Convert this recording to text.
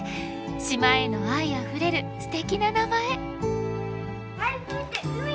島への愛あふれるすてきな名前！